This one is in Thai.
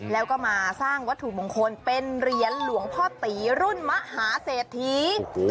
แล้วก็มาสร้างวัตถุมงคลเป็นเหรียญหลวงพ่อตีรุ่นมหาเศรษฐี